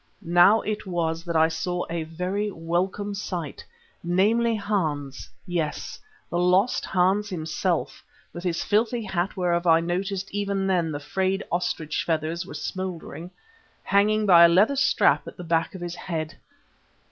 Now it was that I saw a very welcome sight, namely Hans, yes, the lost Hans himself, with his filthy hat whereof I noticed even then the frayed ostrich feathers were smouldering, hanging by a leather strap at the back of his head.